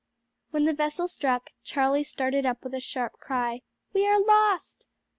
When the vessel struck, Charlie started up with a sharp cry, "We are lost!"